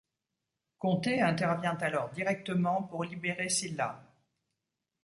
Conté intervient alors directement pour libérer Sylla.